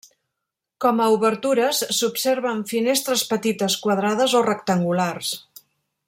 Com a obertures, s'observen finestres petites quadrades o rectangulars.